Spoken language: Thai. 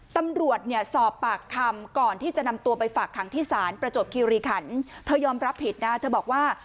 ตำรวจเนี่ยสอบปากคำก่อนที่จะนำตัวไปฝากขังที่ศาลประจวบคิริขันเธอยอมรับผิดนะเธอบอกว่า